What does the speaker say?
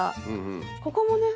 ここもね。